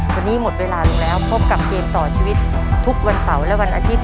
วันนี้หมดเวลาลงแล้วพบกับเกมต่อชีวิตทุกวันเสาร์และวันอาทิตย